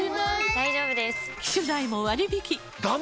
大丈夫です！